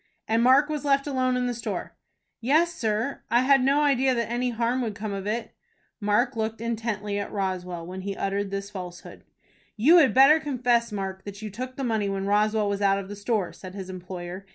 "And Mark was left alone in the store?" "Yes, sir. I had no idea that any harm would come of it." Mark looked intently at Roswell when he uttered this falsehood. "You had better confess, Mark, that you took the money when Roswell was out of the store," said his employer.